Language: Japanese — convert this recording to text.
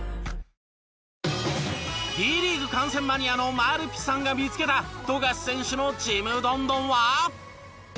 Ｂリーグ観戦マニアのまるぴさんが見付けた富樫選手のちむどんどんは。